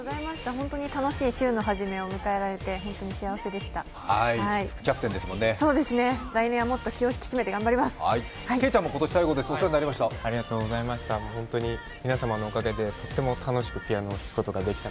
本当に楽しい週の初めを迎えられて本当に幸せでした。